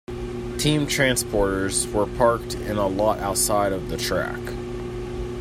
Team transporters were parked in a lot outside of the track.